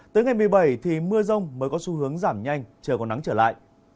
tới ngày một mươi bảy thì mưa rông mới có xu hướng giảm nhanh chờ có nắng trở lại